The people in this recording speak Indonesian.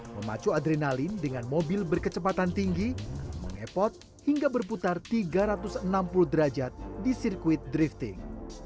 memacu adrenalin dengan mobil berkecepatan tinggi mengepot hingga berputar tiga ratus enam puluh derajat di sirkuit drifting